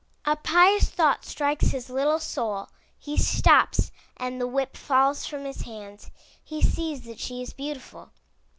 A pious thought strikes his little soul. He stops, and the whip falls from his hands. He sees that she is beautiful.